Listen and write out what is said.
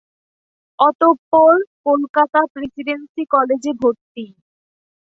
অতঃপর কলকাতা প্রেসিডেন্সি কলেজে ভর্তি।